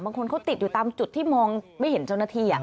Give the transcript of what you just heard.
คนเขาติดอยู่ตามจุดที่มองไม่เห็นเจ้าหน้าที่